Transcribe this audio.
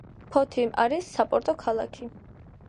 ფოთი არის საპორტო ქალაქი.